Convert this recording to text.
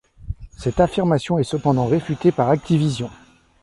Cette affirmation est cependant réfutée par Activision.